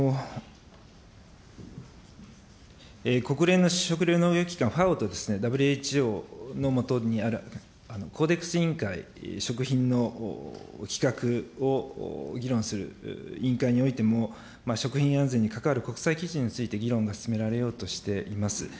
国連の食料農業機関、ＦＡＯとＷＨＯの下にある、コーデックス委員会、食品の規格を議論する委員会においても、食品安全にかかわる国際基準について議論が進められようとしております。